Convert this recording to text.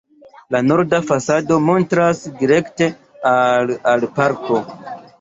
La norda fasado montras direkte al al parko.